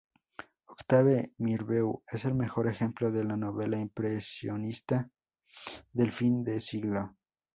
Octave Mirbeau es el mejor ejemplo de la novela impresionista del fin de siglo.